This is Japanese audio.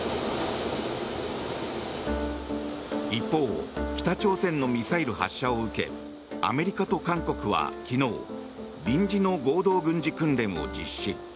一方北朝鮮のミサイル発射を受けアメリカと韓国は昨日臨時の合同軍事訓練を実施。